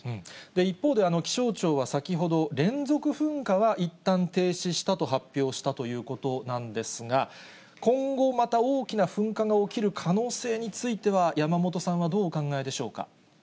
一方で、気象庁は先ほど、連続噴火は一旦停止したと発表したということなんですが、今後また大きな噴火が起きる可能性については、山元さんはどうお考えでしょうか。